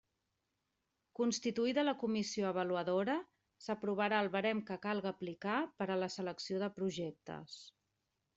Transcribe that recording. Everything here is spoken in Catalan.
Constituïda la Comissió Avaluadora, s'aprovarà el barem que calga aplicar per a la selecció de projectes.